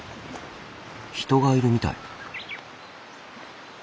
人がいるみたい。